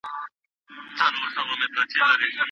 ایا د بدن بوی د خوړو بدلون سره کنټرول کېدی شي؟